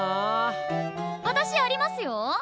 私ありますよ。